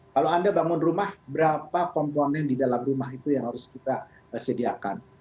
kalau anda bangun rumah berapa komponen di dalam rumah itu yang harus kita sediakan